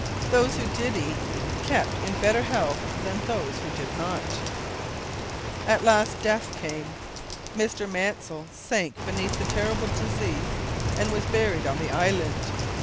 Those who did eat kept in better health than those who did not. At last death came. Mr Mansell sank beneath the terrible disease and was buried on the island.